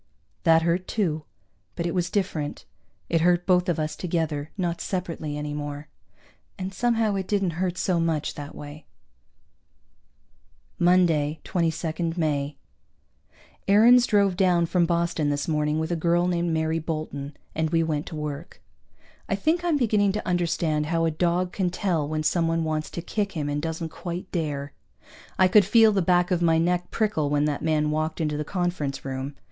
That hurt, too, but it was different. It hurt both of us together, not separately any more. And somehow it didn't hurt so much that way. Monday, 22 May. Aarons drove down from Boston this morning with a girl named Mary Bolton, and we went to work. I think I'm beginning to understand how a dog can tell when someone wants to kick him and doesn't quite dare. I could feel the back of my neck prickle when that man walked into the conference room.